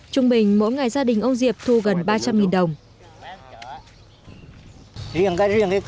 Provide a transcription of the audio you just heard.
trung bình mỗi ngày gia đình ông diệp thu gần ba trăm linh đồng